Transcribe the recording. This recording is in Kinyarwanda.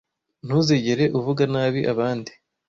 Ntuzigere uvuga nabi abandi.